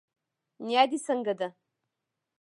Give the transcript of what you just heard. نيا دي څنګه ده